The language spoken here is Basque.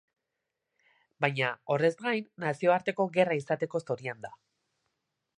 Baina, horrez gain, nazioarteko gerra izateko zorian da.